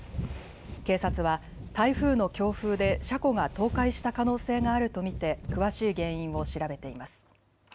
警察は台風の強風で車庫が倒壊した可能性があると見て詳しい原因を調べています。